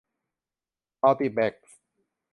มัลติแบกซ์